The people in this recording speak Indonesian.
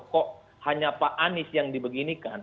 kok hanya pak anies yang dibeginikan